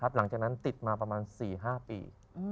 หลับหลังจากนั้นติดตี้มาประมาณ๔๕ปี